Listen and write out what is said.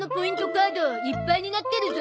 カードいっぱいになってるゾ。